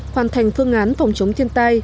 hoàn thành phương án phòng chống thiên tai